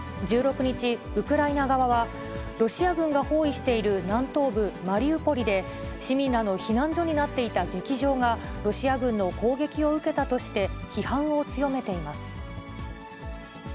１６日、ウクライナ側は、ロシア軍が包囲している南東部マリウポリで、市民らの避難所になっていた劇場が、ロシア軍の攻撃を受けたとして批判を強めています。